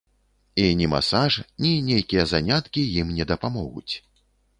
І ні масаж, ні нейкія заняткі ім не дапамогуць.